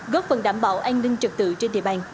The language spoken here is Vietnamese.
góp phần đảm bảo an ninh trật tự trên địa bàn